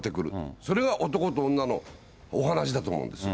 それは男と女のお話だと思うんですよ。